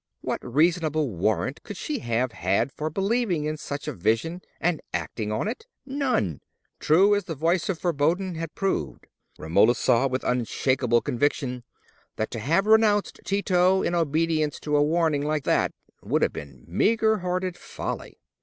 What reasonable warrant could she have had for believing in such a vision and acting on it? None. True as the voice of foreboding had proved, Romola saw with unshaken conviction that to have renounced Tito in obedience to a warning like that, would have been meagre hearted folly.